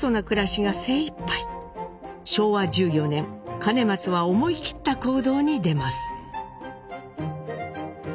昭和１４年兼松は思い切った行動に出ます。